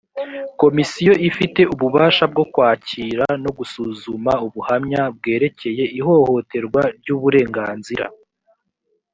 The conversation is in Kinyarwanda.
komisiyo ifite ububasha bwo kwakira no gusuzuma ubuhamya bwerekeye ihohoterwa ry uburenganzira